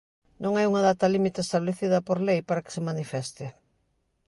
Non hai unha data límite estabelecida por lei para que se manifeste.